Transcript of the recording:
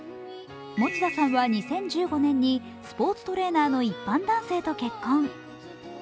持田さんは２０１５年にスポーツトレーナーの一般男性と結婚。